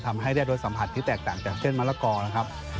ทำให้ได้รสสัมผัสที่แตกต่างจากเส้นมะละกอนะครับ